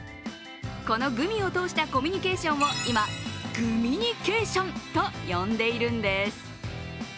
このグミを通したコミュニケーションを今、グミニケーションと呼んでいるんです。